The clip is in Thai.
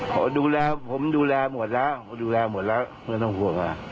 ผมดูแลหมดแล้วดูแลหมดแล้วไม่ต้องห่วง